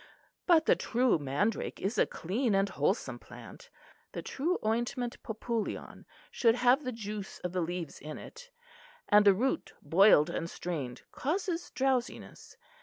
But the true mandrake is a clean and wholesome plant. The true ointment Populeon should have the juice of the leaves in it; and the root boiled and strained causes drowsiness.